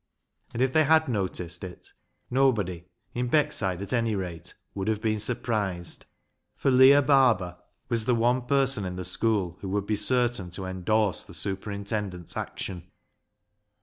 And if they had noticed it, nobody, in Beckside at any rate, would have been surprised ; for Leah Barber, Ben's eldest daughter, was the one person in the school who would be certain to endorse the super intendent's action.